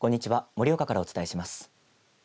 盛岡からお伝えします。